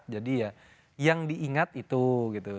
ya yang diingat itu gitu